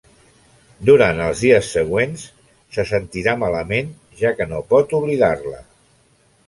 Durant els dies següents, se sentirà malament, ja que no pot oblidar-la.